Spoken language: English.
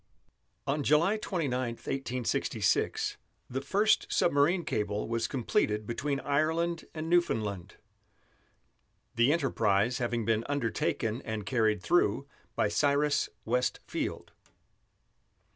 On July 29, 1866, the first submarine cable was completed between Ireland and Newfoundland, the enterprise having been undertaken and carried through by Cyrus West Field.